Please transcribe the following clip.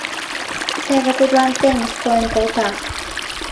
Теве тудланат теҥыз койын колта.